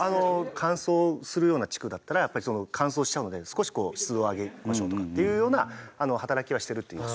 乾燥するような地区だったら乾燥しちゃうので少し湿度上げましょうとかっていうような働きはしてるといいます。